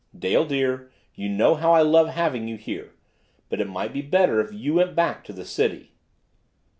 "Dale, dear you know how I love having you here but it might be better if you went back to the city."